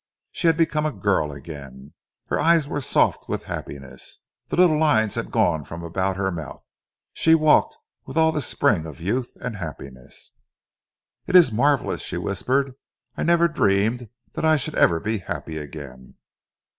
She had become a girl again. Her eyes were soft with happiness, the little lines had gone from about her mouth, she walked with all the spring of youth and happiness. "It is marvellous," she whispered. "I never dreamed that I should ever be happy again."